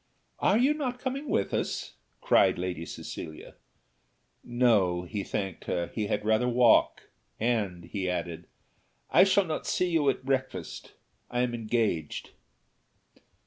"Are not you coming with us?" cried Lady Cecilia. "No, he thanked her, he had rather walk, and," he added "I shall not see you at breakfast I am engaged."